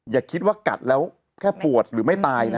อย่าคิดว่ากัดแล้วแค่ปวดหรือไม่ตายนะ